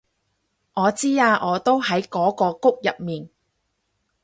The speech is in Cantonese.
我知啊我都喺嗰個谷入面